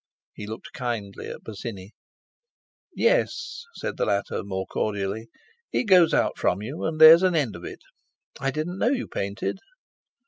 He looked kindly at Bosinney. "Yes," said the latter more cordially, "it goes out from you and there's an end of it. I didn't know you painted."